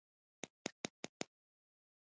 په ټوله نړۍ کې یوازې یو تن ستا په شان شته.